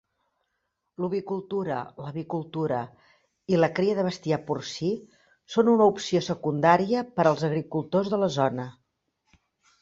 L'ovicultura, l'avicultura i la cria de bestiar porcí són una opció secundària per als agricultors de la zona.